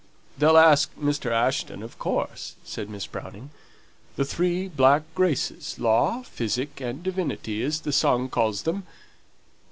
"They'll ask Mr. Ashton, of course," said Miss Browning. "The three black graces, Law, Physic, and Divinity, as the song calls them.